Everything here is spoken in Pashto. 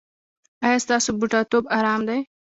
ایا ستاسو بوډاتوب ارام دی؟